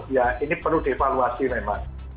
ya ini perlu dievaluasi memang